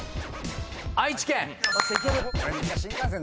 愛知県。